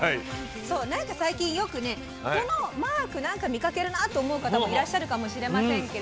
最近、よくこのマークなんか、見かけるなと思う方もいらっしゃるかもしれません。